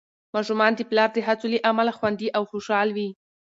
ماشومان د پلار د هڅو له امله خوندي او خوشحال وي.